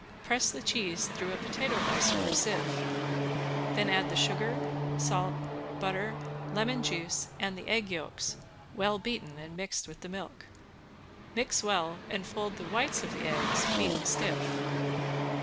Press the cheese through a potato ricer or sieve, then add the sugar, salt, butter, lemon juice, and the egg yolks well beaten and mixed with the milk. Mix well and fold the whites of the eggs beaten stiff.